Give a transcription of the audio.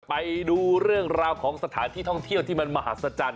ไปดูเรื่องราวของสถานที่ท่องเที่ยวที่มันมหัศจรรย